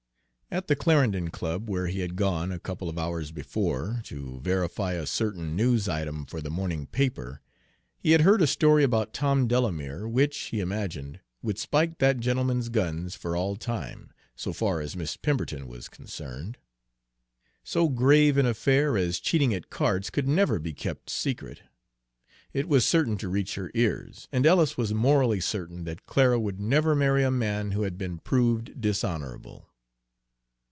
At the Clarendon Club, where he had gone, a couple of hours before, to verify a certain news item for the morning paper, he had heard a story about Tom Delamere which, he imagined, would spike that gentleman's guns for all time, so far as Miss Pemberton was concerned. So grave an affair as cheating at cards could never be kept secret, it was certain to reach her ears; and Ellis was morally certain that Clara would never marry a man who had been proved dishonorable.